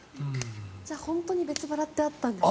じゃあ本当に別腹ってあったんですね。